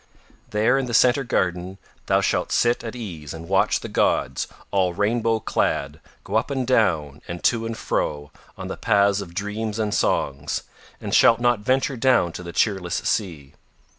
There in the Centre Garden thou shalt sit at ease and watch the gods all rainbow clad go up and down and to and fro on the paths of dreams and songs, and shalt not venture down to the cheerless sea.